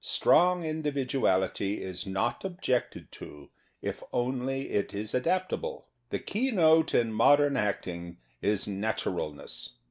Strong individuality is not objected to if only it is adaptable. The keynote in modern acting is naturalness.